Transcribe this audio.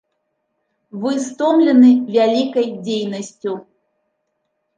Вы стомлены вялікай дзейнасцю.